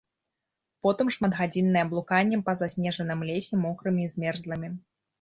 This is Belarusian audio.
Потым шматгадзіннае блуканне па заснежаным лесе мокрымі і змерзлымі.